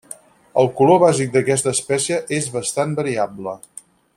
El color bàsic d'aquesta espècie és bastant variable.